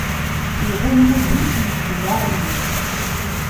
Iɣumm udem-is, iǧǧa iḍaṛṛen is.